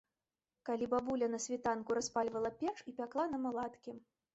Калі бабуля на світанку распальвала печ і пякла нам аладкі.